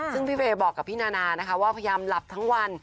ซึ่งพี่เวย์บอกกับพี่นานานะคะว่าพยายามหลับทั้งวัน